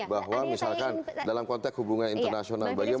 bahwa misalkan dalam konteks hubungan internasional bagaimana